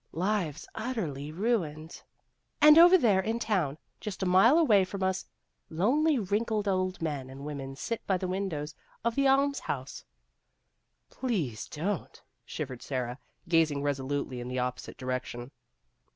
Lives utterly ruined ! And 272 Vassar Studies over there in town, just a mile away from us, lonely wrinkled old men and women sit by the windows of the Almshouse " Please don't," shivered Sara, gazing resolutely in the opposite direction.